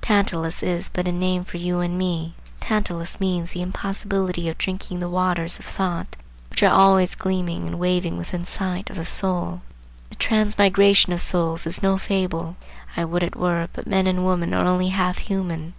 Tantalus is but a name for you and me. Tantalus means the impossibility of drinking the waters of thought which are always gleaming and waving within sight of the soul. The transmigration of souls is no fable. I would it were; but men and women are only half human.